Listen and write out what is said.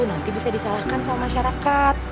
nanti bisa disalahkan sama masyarakat